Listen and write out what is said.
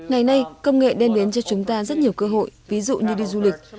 ngày nay công nghệ đem đến cho chúng ta rất nhiều cơ hội ví dụ như đi du lịch